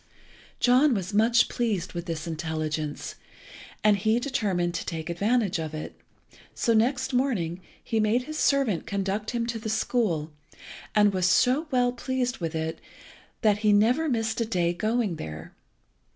John was much pleased with this intelligence, and he determined to take advantage of it; so next morning he made his servant conduct him to the school, and was so well pleased with it that he never missed a day going there.